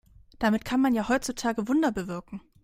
Damit kann man ja heutzutage Wunder bewirken.